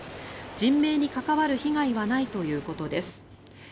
人命に関わる被害はないということです。